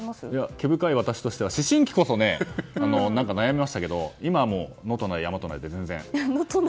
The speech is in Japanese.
毛深い私としては思春期こそ悩みましたけど今はもう野となり、山となり全然。